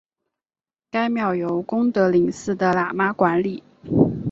该庙由功德林寺的喇嘛管理。